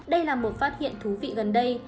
đây là một phát hiện thú vị gần đây